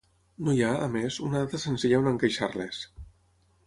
No hi ha, a més, una data senzilla on encaixar-les.